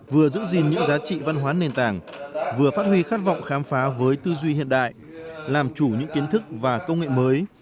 vừa giữ gìn những giá trị văn hóa nền tảng vừa phát huy khát vọng khám phá với tư duy hiện đại làm chủ những kiến thức và công nghệ mới